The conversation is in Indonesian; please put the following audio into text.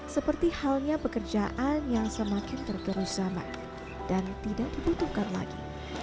seperti halnya pekerjaan yang semakin tergerus zaman dan tidak dibutuhkan lagi